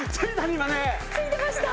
今ねついてました